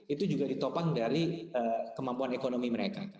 itu juga ditopang dari kemampuan ekonomi mereka